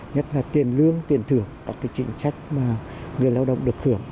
nhất là tiền lương tiền thưởng các cái chính trách mà người lao động được hưởng